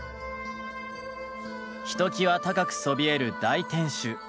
ひときわ高くそびえる大天守。